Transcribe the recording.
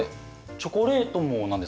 チョコレートもなんですか？